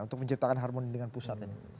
untuk menciptakan harmoni dengan pusat ini